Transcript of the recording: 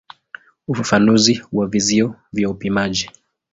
Ufafanuzi wa vizio vya upimaji.